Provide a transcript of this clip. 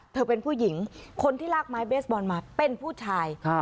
เธอเป็นผู้หญิงคนที่ลากไม้เบสบอลมาเป็นผู้ชาย